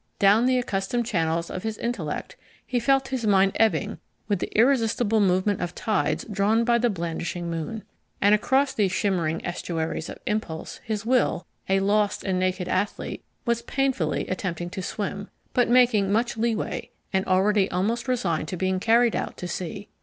Down the accustomed channels of his intellect he felt his mind ebbing with the irresistible movement of tides drawn by the blandishing moon. And across these shimmering estuaries of impulse his will, a lost and naked athlete, was painfully attempting to swim, but making much leeway and already almost resigned to being carried out to sea.